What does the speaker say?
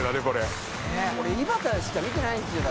「これ井端しか見てないんですよだって」